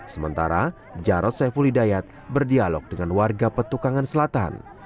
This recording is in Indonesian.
sementara jarod saiful hidayat berdialog dengan warga petukangan selatan